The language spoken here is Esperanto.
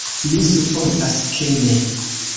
Mi supozas, ke ne.